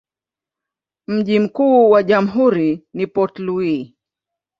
Mji mkuu wa jamhuri ni Port Louis.